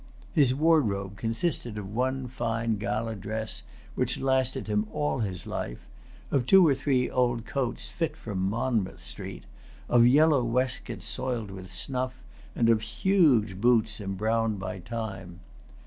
His wardrobe consisted of one fine gala dress, which lasted[Pg 275] him all his life; of two or three old coats fit for Monmouth Street, of yellow waistcoats soiled with snuff, and of huge boots embrowned by time.